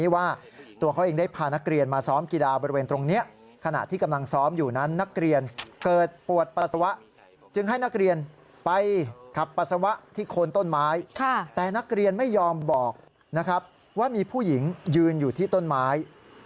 ว่ามีผู้หญิงยืนอยู่ที่ต้นไม้